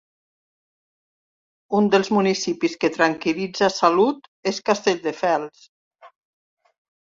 Un dels municipis que tranquil·litza Salut és Castelldefels.